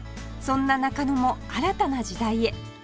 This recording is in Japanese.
そんな中野も新たな時代へ